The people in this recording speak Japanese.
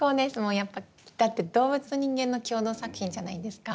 やっぱだって動物と人間の共同作品じゃないですか。